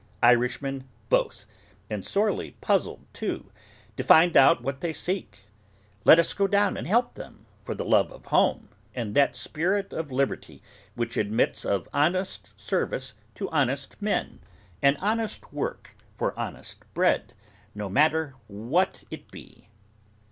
Irishmen both, and sorely puzzled too, to find out what they seek. Let us go down, and help them, for the love of home, and that spirit of liberty which admits of honest service to honest men, and honest work for honest bread, no matter what it be.